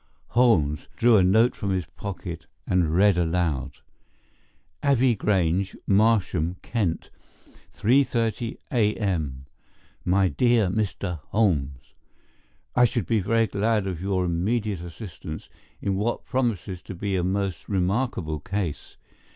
Holmes drew a note from his pocket, and read aloud: Abbey Grange, Marsham, Kent, 3:30 A.M. MY DEAR MR. HOLMES: I should be very glad of your immediate assistance in what promises to be a most remarkable case.